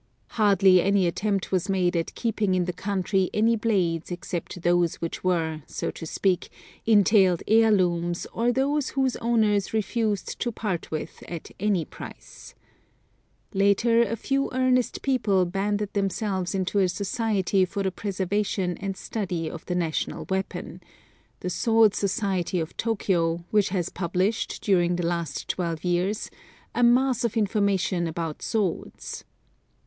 Hardly any attempt was made at keeping in the country any blades except those which were, so to speak, entailed heirlooms or those whose owners refused to part with at any price. Later, a few earnest people banded themselves into a Society for the preservation and study of the National weapon: the Sword Society of Tokyo, which has published, during the last twelve years, a mass of information about swords.